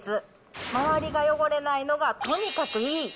周りが汚れないのがとにかくいい。